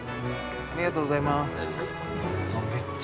ありがとうございます。